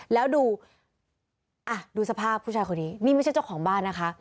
แล้วดูอ่ะดูสภาพผู้ชายคนนี้นี่ไม่ใช่เจ้าของบ้านนะคะ